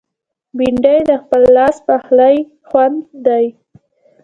بېنډۍ د خپل لاس پخلي خوند دی